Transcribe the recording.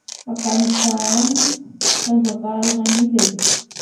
افغانستان په زغال غني دی.